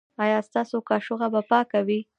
ایا ستاسو کاشوغه به پاکه وي؟